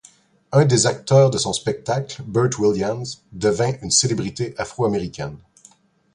Un des acteurs de son spectacle, Bert Williams, devint une célébrité afro-américaine.